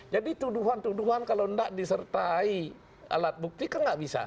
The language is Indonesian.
jadi tuduhan tuduhan kalau nggak disertai alat bukti kan nggak bisa